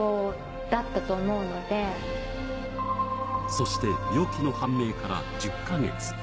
そして病気の判明から１０か月。